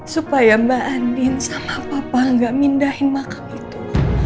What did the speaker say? supaya mbak andin sama papa gak mindahin makam itu